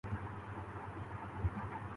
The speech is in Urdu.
فطر ت میں تیرنا کا شوق ہونا ہونا